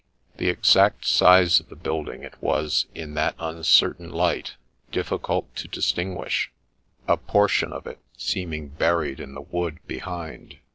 The exact size of the building it was, in that uncertain light, difficult to distinguish, a portion of it seeming 84 MRS. BOTHERBY'S STORY buried in the wood behind.